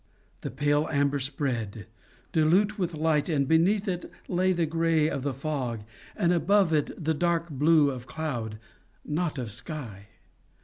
The pale amber spread, dilute with light, and beneath it lay the gray of the fog, and above it the dark blue of cloud not of sky.